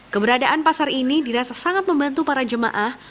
keberadaan pasar ini dirasa sangat membantu para jemaah